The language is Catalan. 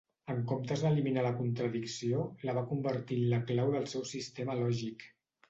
En comptes d'eliminar la contradicció, la va convertir en la clau del seu sistema lògic.